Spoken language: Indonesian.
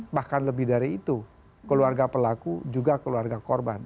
bahkan lebih dari itu keluarga pelaku juga keluarga korban